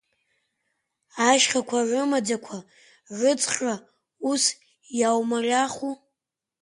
Ашьхақәа рымаӡақәа рыҵхра ус иаумариаху.